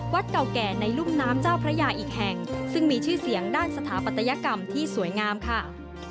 เก่าแก่ในรุ่มน้ำเจ้าพระยาอีกแห่งซึ่งมีชื่อเสียงด้านสถาปัตยกรรมที่สวยงามค่ะ